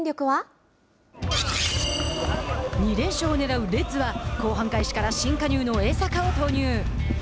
２連勝をねらうレッズは後半開始から新加入の江坂を投入。